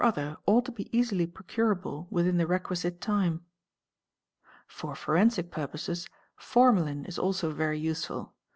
other ought to be asily procurable within the requisite time. For forensic purposes formalin is also very useful.